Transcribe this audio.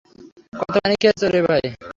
কত পানি খেয়েছো রে ভাই?